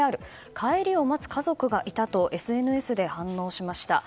帰りを待つ家族がいたとＳＮＳで反論しました。